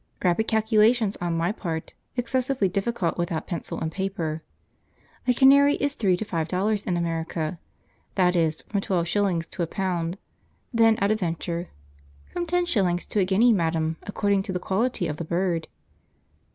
Rapid calculation on my part, excessively difficult without pencil and paper. A canary is three to five dollars in America, that is, from twelve shilling to a pound; then at a venture, "From ten shillings to a guinea, madam, according to the quality of the bird."